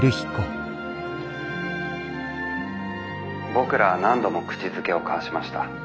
「僕らは何度も口づけを交わしました。